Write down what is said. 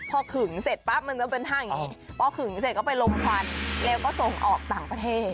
พอขึงเสร็จปั๊บมันจะเป็นท่าอย่างนี้พอขึงเสร็จก็ไปลมควันแล้วก็ส่งออกต่างประเทศ